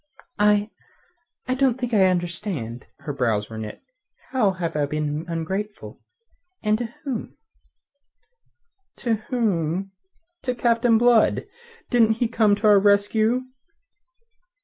"I... I don't think I understand." Her brows were knit. "How have I been ungrateful and to whom?" "To whom? To Captain Blood. Didn't he come to our rescue?"